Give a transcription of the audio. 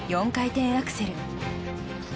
４回転アクセル。